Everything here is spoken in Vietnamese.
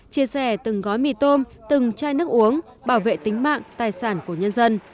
chia sẻ từng gói mì tôm từng chai nước uống bảo vệ tính mạng tài sản của nhân dân